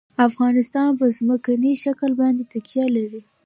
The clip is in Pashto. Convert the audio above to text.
افغانستان په ځمکنی شکل باندې تکیه لري.